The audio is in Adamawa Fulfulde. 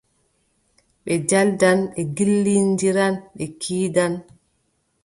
Ɓe njaldan, ɓe ngillindiran, ɓe kiirdan.